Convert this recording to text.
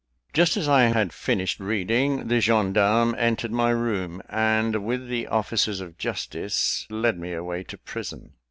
Just as I had finished reading, the gens d'armes entered my room, and, with the officers of justice, led me away to prison.